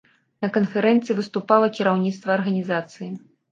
На канферэнцыі выступала кіраўніцтва арганізацыі.